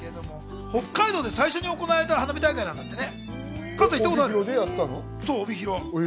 北海道で最初に行われた花火大会だってね。